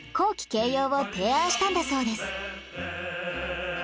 掲揚を提案したんだそうです